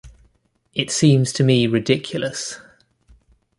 It seems to me ridiculous.